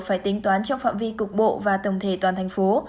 phải tính toán trong phạm vi cục bộ và tổng thể toàn thành phố